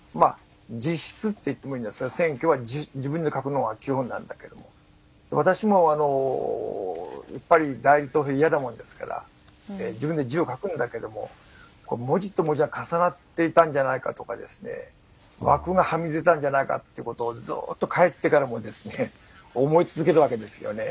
自筆って言ってもいいんですが選挙は自分で書くのが基本なんだけども私もやっぱり代理投票は嫌なものですから自分で字を書くんだけれども文字と文字が重なっていたんじゃないかとか枠がはみ出たんじゃないかということをずっと帰ってからも思い続けるわけですよね。